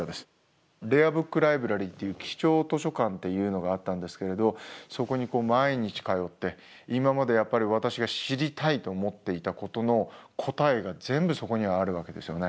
レアブックライブラリーっていう貴重図書館っていうのがあったんですけれどそこに毎日通って今までやっぱり私が知りたいと思っていたことの答えが全部そこにはあるわけですよね。